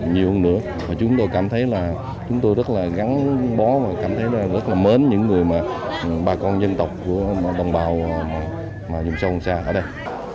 nhiều hơn nữa và chúng tôi cảm thấy là chúng tôi rất là gắn bó và cảm thấy là rất là mến những người mà bà con dân tộc của đồng bào mà dùm sâu không xa ở đây